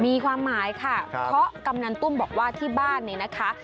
มีความหมายค่ะเพราะกำนันตุ้มบอกว่าที่บ้านเนี่ยนะคะ